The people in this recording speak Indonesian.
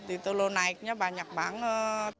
itu loh naiknya banyak banget